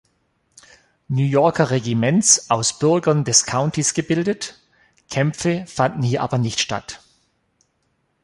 New Yorker Regiments aus Bürgern des Countys gebildet; Kämpfe fanden hier aber nicht statt.